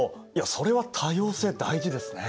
それは多様性大事ですね。